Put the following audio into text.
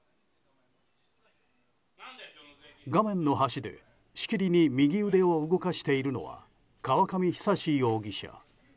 画面の端でしきりに右腕を動かしているのは河上久容疑者。